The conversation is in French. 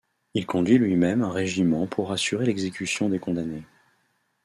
Il conduit lui-même un régiment pour assurer l'exécution des condamnés.